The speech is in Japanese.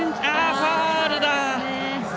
ファウルだ。